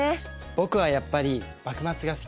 僕はやっぱり幕末が好き。